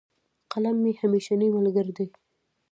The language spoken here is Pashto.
قلم مي همېشنی ملګری دی.